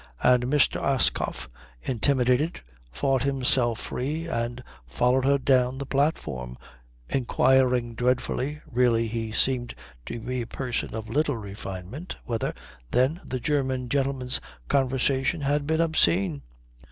And Mr. Ascough, intimidated, fought himself free and followed her down the platform, inquiring dreadfully really he seemed to be a person of little refinement whether, then, the German gentleman's conversation had been obscene.